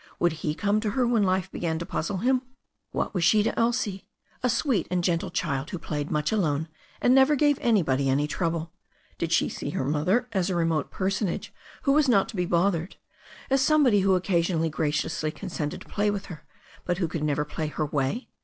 Would he come to her when life began to puzzle him? What was she to Elsie, a sweet and gentle child, who played much alone, and never gave anybody any trouble. Did she see her mother as a remote personage who was not to be bothered, as somebody who occasionally graciously condescended to play with her, but who could never play her way?